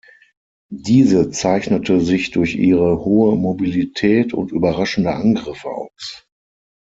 Diese zeichnete sich durch ihre hohe Mobilität und überraschende Angriffe aus.